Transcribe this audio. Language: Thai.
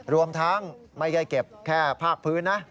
รวมทั้งไม่ใช่เก็บแค่ภาคพื้นนะ